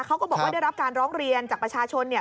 เขาก็บอกว่าได้รับการร้องเรียนจากประชาชน